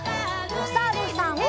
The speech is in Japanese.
おさるさん。